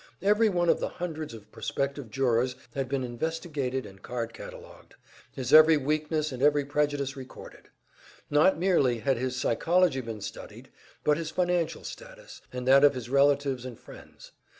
Every one of the hundreds of prospective jurors had been investigated and card cataloged, his every weakness and every prejudice recorded; not merely had his psychology been studied, but his financial status, and that of his relatives and friends.